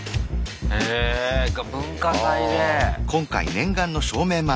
へえ文化祭で。